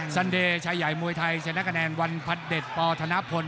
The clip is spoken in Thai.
สันเดชาย่ายมวยไทยชนะแก่แนนวันพัดเดชปธนพล